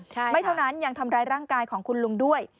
ใช่ไม่เท่านั้นยังทำร้ายร่างกายของคุณลุงด้วย